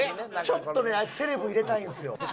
ちょっとねあいつセレブ入れたいんですよ。